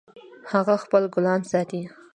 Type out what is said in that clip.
هغه خپل ګلان ساتي